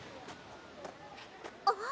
あっ。